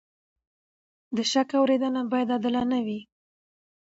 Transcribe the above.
د شکایت اورېدنه باید عادلانه وي.